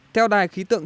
theo đài khí tượng